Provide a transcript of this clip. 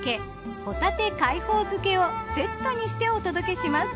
ほたて海宝漬をセットにしてお届けします。